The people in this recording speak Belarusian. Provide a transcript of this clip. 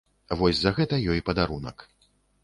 Вось за гэта ёй падарунак.